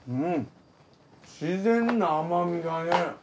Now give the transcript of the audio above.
うん自然な甘みがね。